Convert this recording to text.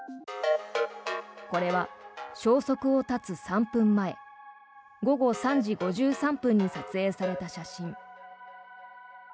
これは消息を絶つ３分前午後３時５３分に撮影された写真。